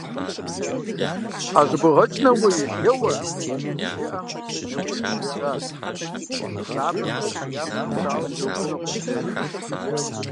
– СӀэщӀыбогъэкӀ, нэгъуеижь, еуэ, – щыжиӀэм нэгъуеижьым жиӀащ: «Сабэр къыщыхъеям нэмысауэ сеуэфынукъым», – жери.